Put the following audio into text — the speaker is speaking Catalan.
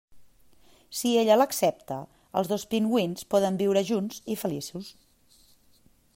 Si ella l'accepta, els dos pingüins poden viure junts i feliços.